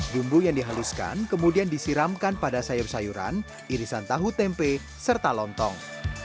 bumbu yang dihaluskan kemudian disiramkan pada sayur sayuran irisan tahu tempe serta lontong